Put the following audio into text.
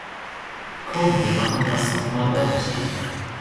Komm, wir machen das noch mal ordentlich.